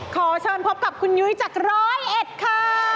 ขอเชิญพบกับคุณยุ้ยจากร้อยเอ็ดค่ะ